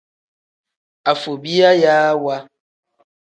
Afobiyayaawa.